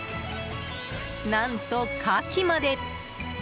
何と、カキまで！